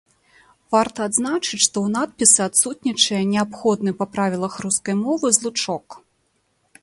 Варта адзначыць, што ў надпісы адсутнічае неабходны па правілах рускай мовы злучок.